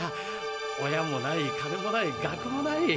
親もない金もない学もない。